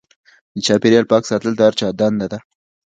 د چاپیریال پاک ساتل د هر چا دنده ده.